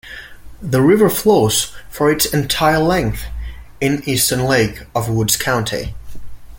The river flows for its entire length in eastern Lake of the Woods County.